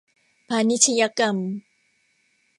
พาณิชยกรรม